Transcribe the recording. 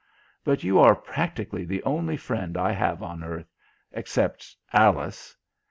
But you are practically the only friend I have on earth except Alice....